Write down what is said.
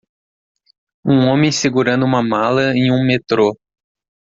Um homem segurando uma mala em um metrô.